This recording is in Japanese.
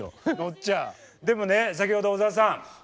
でもね先ほど小澤さん